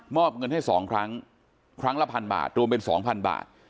อบเงินให้๒ครั้งครั้งละพันบาทรวมเป็น๒๐๐บาท